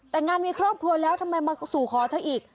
แต่งงานมีครอบครัวแล้วทำไมมาสู่ขอเธออีก